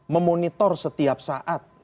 memonitor setiap saat